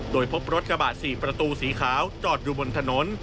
โดยพบรถกระบะ๔ประตูสีขาวจอดอยู่บนถนน